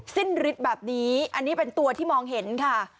สิ้นฤทธิ์แบบนี้อันนี้เป็นตัวที่มองเห็นค่ะ